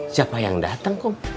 siapa yang datang kum